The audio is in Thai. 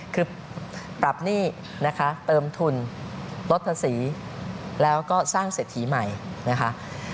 คือปรับหนี้นะคะเติมทุนลดภาษีแล้วก็สร้างเศรษฐีใหม่นะคะ